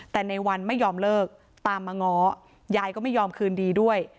แต่ในวันไม่ยอมเลิกตามมาง้อยายก็ไม่ยอมคืนดีด้วย